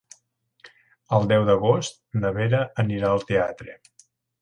El deu d'agost na Vera anirà al teatre.